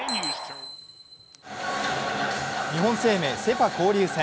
日本生命セ・パ交流戦。